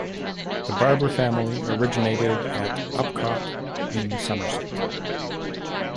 The Barbor family originated at Upcott in Somerset.